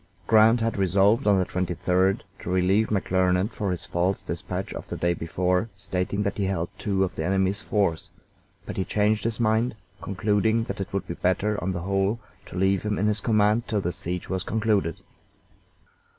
Grant had resolved on the 23d to relieve McClernand for his false dispatch of the day before stating that he held two of the enemy's forts, but he changed his mind, concluding that it would be better on the whole to leave him in his command till the siege was concluded.